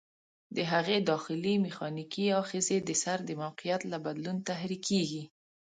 د هغې داخلي میخانیکي آخذې د سر د موقعیت له بدلون تحریکېږي.